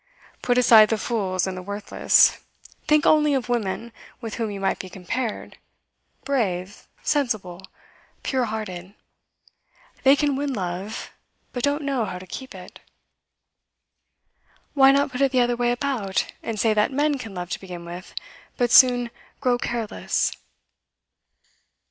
Put aside the fools and the worthless; think only of women with whom you might be compared brave, sensible, pure hearted; they can win love, but don't know how to keep it.' 'Why not put it the other way about, and say that men can love to begin with, but so soon grow careless?